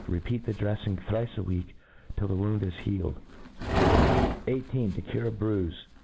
Repeat the drclfing thrice a week, till the wound is healed* 18. To cure a Brui/e.